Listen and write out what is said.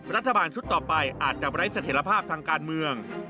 รัฐบาลชุดต่อไปอาจจะไร้เสถียรภาพทางการเมือง